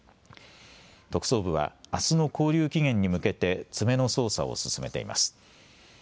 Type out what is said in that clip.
特捜部はあすの勾留期限に向けて詰めの捜査を進めています。